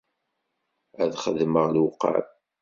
Ad xedmeɣ lewqam.